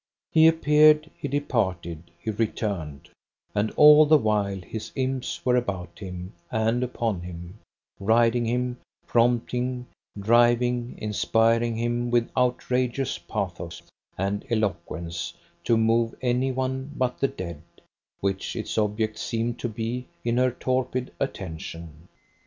He appeared, he departed, he returned; and all the while his imps were about him and upon him, riding him, prompting, driving, inspiring him with outrageous pathos, an eloquence to move any one but the dead, which its object seemed to be in her torpid attention.